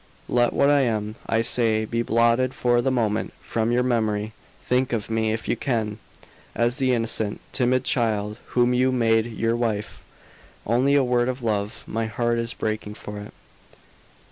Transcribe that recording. Let what I am, I say, be blotted for the moment from your memory; think of me, if you can, as the innocent, timid child whom you made your wife. Only a word of love. My heart is breaking for it."